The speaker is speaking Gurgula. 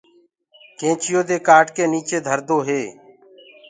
نيڪچي دي ڪآٽ ڪي نيڪچي دهردو هي۔